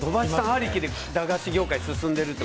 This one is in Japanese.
ありきで駄菓子業界が進んでいると。